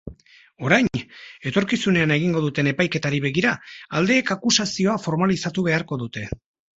Orain, etorkizunean egingo duten epaiketari begira, aldeek akusazioa formalizatu beharko dute.